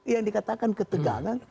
yang dikatakan ketegangan